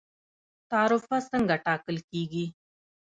تعرفه څنګه ټاکل کیږي؟